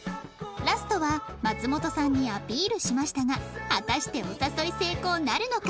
ラストは松本さんにアピールしましたが果たしてお誘い成功なるのか？